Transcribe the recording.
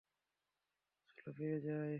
চল ফিরে যাই।